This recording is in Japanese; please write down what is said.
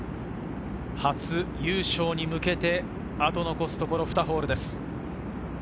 初優勝に向けて、残すところ２ホールです。